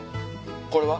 これは？